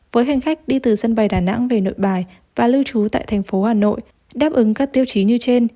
với hành khách đi từ sân bay đà nẵng về nội bài và lưu trú tại thành phố hà nội đáp ứng các tiêu chí như trên